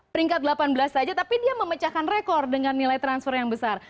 peringkat delapan belas saja tapi dia memecahkan rekor dengan nilai transfer yang besar